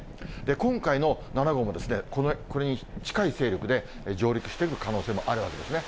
今回の７号も、これに近い勢力で上陸していく可能性もあるわけですね。